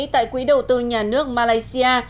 tại quỹ đầu tư nhà nước malaysia